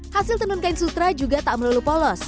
hasil tenun kain sutra juga tak melulu polos